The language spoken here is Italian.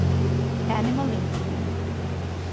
Animal Instinct